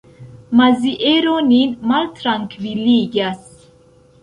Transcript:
Maziero nin maltrankviligas.